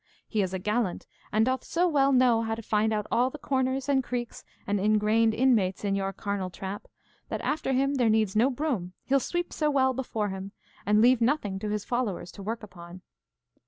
He is a gallant, and doth so well know how to find out all the corners, creeks, and ingrained inmates in your carnal trap, that after him there needs no broom, he'll sweep so well before, and leave nothing to his followers to work upon.